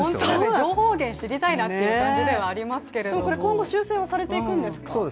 情報源を知りたいなという感じではありますが今後、修正はされていくんですか？